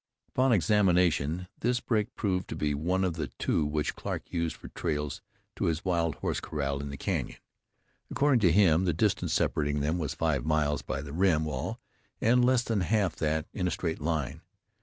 Upon examination, this break proved to be one of the two which Clarke used for trails to his wild horse corral in the canyon. According to him, the distance separating them was five miles by the rim wall, and less than half that in a straight line.